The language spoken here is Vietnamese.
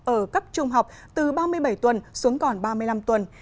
ở cấp trung học từ ba mươi bảy tuần xuống còn ba mươi năm tuần